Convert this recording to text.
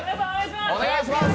お願いします。